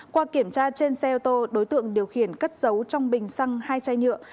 qua kiểm tra trên xe ô tô đối tượng điều khiển cất giấu trong bình xăng hai chai nhựa